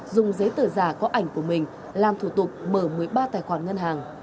dùng giấy tờ giả có ảnh của mình làm thủ tục mở một mươi ba tài khoản ngân hàng